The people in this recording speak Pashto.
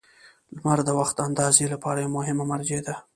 • لمر د وخت اندازې لپاره یوه مهمه مرجع ده.